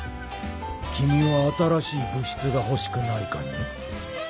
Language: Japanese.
君は新しい部室が欲しくないかね？